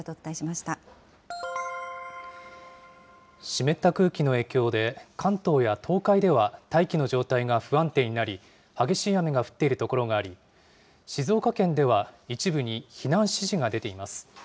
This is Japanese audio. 湿った空気の影響で、関東や東海では大気の状態が不安定になり、激しい雨が降っている所があり、静岡県では一部に避難指示が出ています。